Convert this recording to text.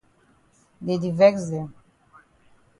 Dey di vex dem.